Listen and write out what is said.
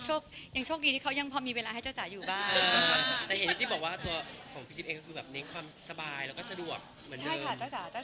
ใช่ค่ะแต่ช่วงที่เธอยังพอมีเวลาให้เจ้าจ๋าอยู่บ้าน